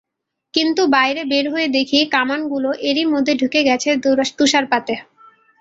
কিন্তু বাইরে বের হয়ে দেখি কামানগুলো এরই মধ্যে ঢেকে গেছে তুষারপাতে।